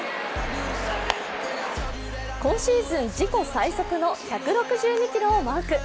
今シーズン自己最速の１６２キロをマーク。